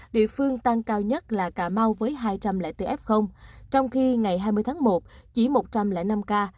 địa phương tăng cao nhất là cà mau với hai trăm linh bốn f trong khi ngày hai mươi tháng một chỉ một trăm linh năm ca